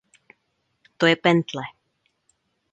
To je pentle.